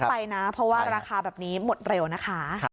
ไปนะเพราะว่าราคาแบบนี้หมดเร็วนะคะ